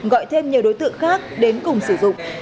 gọi thêm nhiều đối tượng khác đến cùng sử dụng